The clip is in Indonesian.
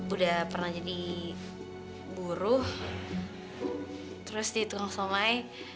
udah pernah jadi buruh terus di tukang somai